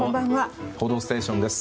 「報道ステーション」です。